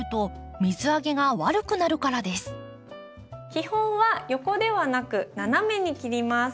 基本は横ではなく斜めに切ります。